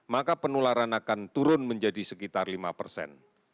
maka penularan akan turun menjadi sekitar lima persen